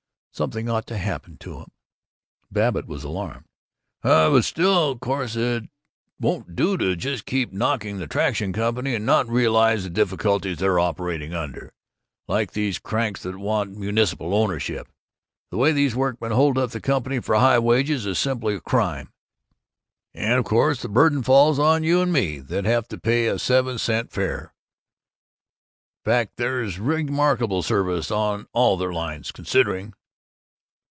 Something ought to happen to 'em." Babbitt was alarmed. "But still, of course it won't do to just keep knocking the Traction Company and not realize the difficulties they're operating under, like these cranks that want municipal ownership. The way these workmen hold up the Company for high wages is simply a crime, and of course the burden falls on you and me that have to pay a seven cent fare! Fact, there's remarkable service on all their lines considering."